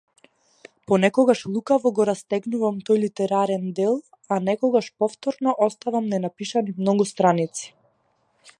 Понекогаш лукаво го растегнувам тој литерарен дел, а некогаш повторно оставам ненапишани многу страници.